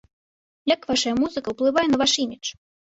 Як вашая музыка ўплывае на ваш імідж?